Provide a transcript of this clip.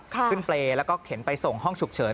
ขึ้นเปรย์และเข็นไปส่งห้องฉุกเฉิน